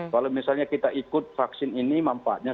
kalau misalnya kita ikut vaksin ini manfaatnya